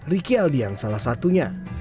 riki aldian salah satunya